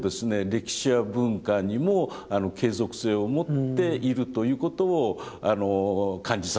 歴史や文化にも継続性を持っているということを感じさせますね。